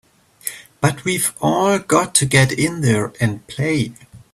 But we've all got to get in there and play!